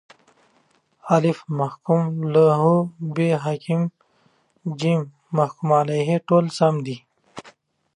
الف: محکوم له ب: حاکم ج: محکوم علیه د: ټوله سم دي